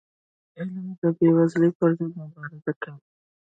علم د بېوزلی پر ضد مبارزه کوي.